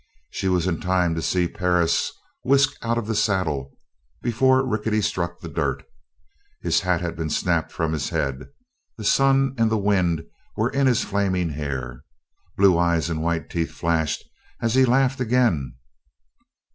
She was in time to see Perris whisk out of the saddle before Rickety struck the dirt. His hat had been snapped from his head. The sun and the wind were in his flaming hair. Blue eyes and white teeth flashed as he laughed again.